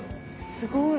すごい。